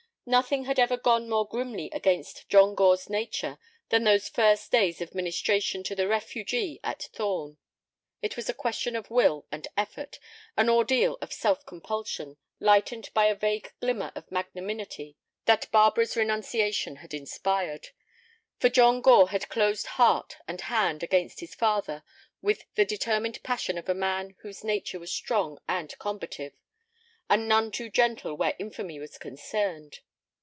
Nothing had ever gone more grimly against John Gore's nature than those first days of ministration to the refugee at Thorn. It was a question of will and effort, an ordeal of self compulsion, lightened by a vague glimmer of magnanimity that Barbara's renunciation had inspired; for John Gore had closed heart and hand against his father with the determined passion of a man whose nature was strong and combative, and none too gentle where infamy was concerned.